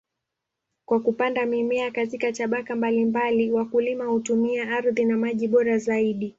Kwa kupanda mimea katika tabaka mbalimbali, wakulima hutumia ardhi na maji bora zaidi.